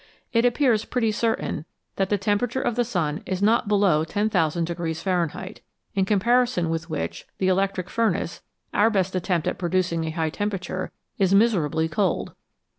It appears pretty certain that the temperature of the sun is not below 10,000 Fahrenheit, in comparison with which the electric furnace, our best attempt at producing a high temperature, is miserably cold.